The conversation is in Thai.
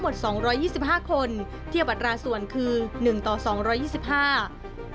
ส่วนสำนักงานศึกษาธิการภาคจะกำกับดูแลสำนักงานศึกษาธิการภาค๑๘แห่ง